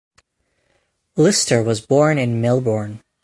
Lister was born in Melbourne.